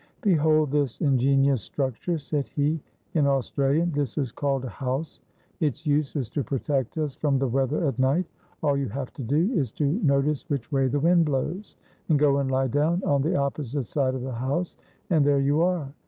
"Behold this ingenious structure," said he, in Australian; "this is called a house; its use is to protect us from the weather at night; all you have to do is to notice which way the wind blows, and go and lie down on the opposite side of the house and there you are.